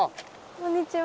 こんにちは。